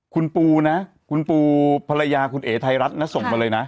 คุณปูนะคุณปูภรรยาคุณเอ๋ไทยรัฐนะส่งมาเลยนะ